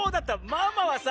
ママはさ